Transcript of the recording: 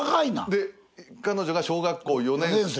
で彼女が小学校４年生。